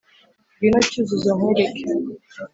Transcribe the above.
ngwino cyuzuzo nkwereke